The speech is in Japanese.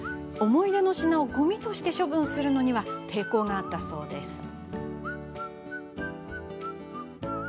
思い出の品をごみとして処分するのには抵抗があったそうです。